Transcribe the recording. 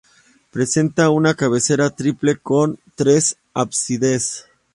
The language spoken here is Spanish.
Presenta una cabecera triple con tres ábsides.